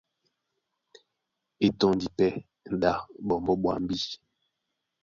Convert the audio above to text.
E tɔ́ndi pɛ́ ɗá ɓɔmbɔ́ ɓwambí.